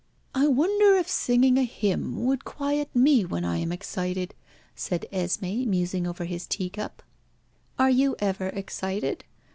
"I wonder if singing a hymn would quiet me when I am excited," said Esmé, musing over his tea cup. "Are you ever excited?"